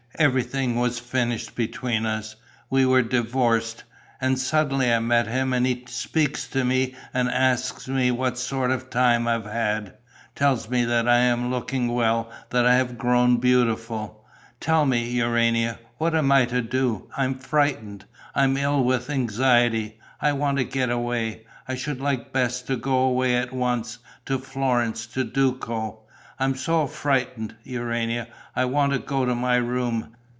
Everything was finished between us. We were divorced. And suddenly I meet him and he speaks to me and asks me what sort of time I have had, tells me that I am looking well, that I have grown beautiful. Tell me, Urania, what I am to do. I'm frightened. I'm ill with anxiety. I want to get away. I should like best to go away at once, to Florence, to Duco. I am so frightened, Urania. I want to go to my room.